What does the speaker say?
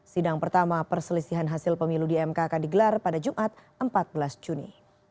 sidang pertama perselisihan hasil pemilu di mk akan digelar pada jumat empat belas juni